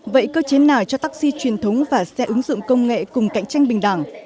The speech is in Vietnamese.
vậy cơ chế nào cho taxi truyền thống và xe ứng dụng công nghệ cùng cạnh tranh bình đẳng